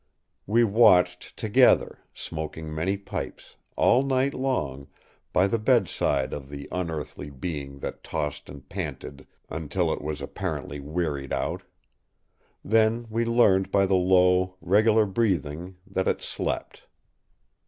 ” We watched together, smoking many pipes, all night long, by the bedside of the unearthly being that tossed and panted until it was apparently wearied out. Then we learned by the low, regular breathing that it slept.